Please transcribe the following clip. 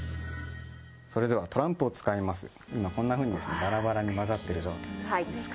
それではトランプを使います、こんなふうにバラバラに混ざっている状態です。